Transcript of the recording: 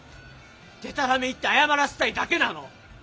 デタラメ言って謝らせたいだけなの。